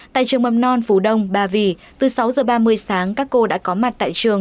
tại trường mầm non phú đông ba vì từ sáu giờ ba mươi sáng các cô đã có mặt tại trường